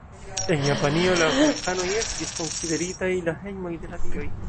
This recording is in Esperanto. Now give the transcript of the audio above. En Japanio la vulkanoj estis konsideritaj la hejmoj de la dioj.